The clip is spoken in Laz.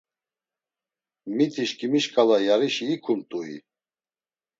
Miti şǩimi şǩala yarişi ikumt̆ui?